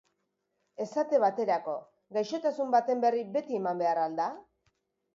Esate baterako, gaixotasun baten berri beti eman behar al da?